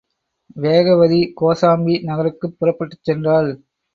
வேகவதி கோசாம்பி நகருக்குப் புறப்பட்டுச் சென்றாள்.